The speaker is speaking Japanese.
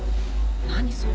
何それ？